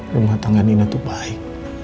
rumah tangga nino tuh baik